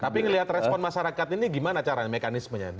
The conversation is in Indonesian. tapi ngelihat respon masyarakat ini gimana caranya mekanismenya nanti